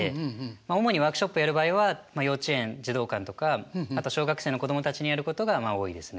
主にワークショップやる場合は幼稚園児童館とかあとは小学生の子供たちにやることが多いですね。